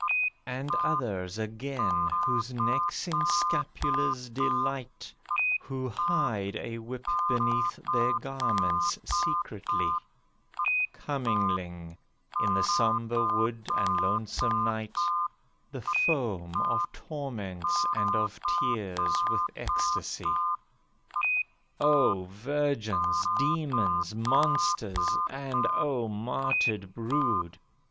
And others again, whose necks in scapulars delight, Who hide a whip beneath their garments secretly, Commingling, in the sombre wood and lonesome night, The foam of torments and of tears with ecstasy. O virgins, demons, monsters, and O martyred brood!